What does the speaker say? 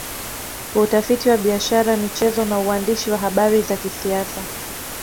Utafiti wa biashara michezo na uandishi wa habari za kisiasa